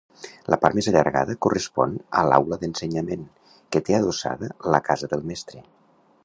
La part més allargada correspon a l'aula d'ensenyament, que té adossada la casa del mestre.